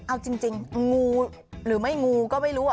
เอาจริงงูหรือไม่งูก็ไม่รู้